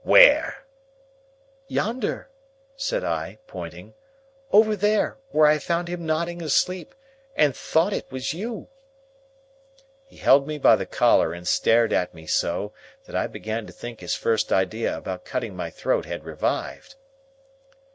"Where?" "Yonder," said I, pointing; "over there, where I found him nodding asleep, and thought it was you." He held me by the collar and stared at me so, that I began to think his first idea about cutting my throat had revived.